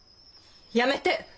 やめて！